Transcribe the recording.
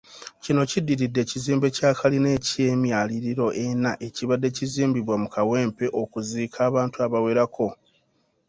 Kino kiddiridde ekizimbe kya kalina eky'emyaliro ena ekibadde kizimbibwa mu Kawempe okuziika abantu abawerako.